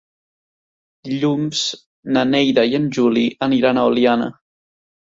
Dilluns na Neida i en Juli aniran a Oliana.